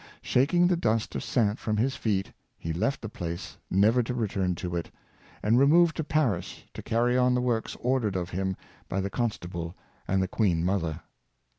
Shaking the dust of Saintes from his feet he left the place never to return to it, and re moved to Paris to carry on the works ordered of him by the Constable and the Queen Mother.